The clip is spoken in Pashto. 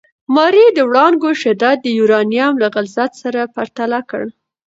ماري د وړانګو شدت د یورانیم له غلظت سره پرتله کړ.